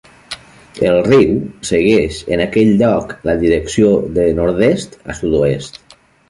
El riu segueix en aquell lloc la direcció de nord-est a sud-oest.